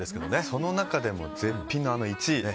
その中でも絶品の１位ね。